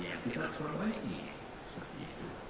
yang kita suruh balik lagi